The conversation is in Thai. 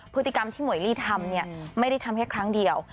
พฤติกรรมที่หมวยลี่ทำเนี่ยไม่ได้ทำแค่ครั้งเดียว